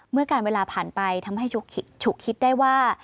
เมื่อการเวลาผ่านไปทำให้ฉุกคิดได้ว่า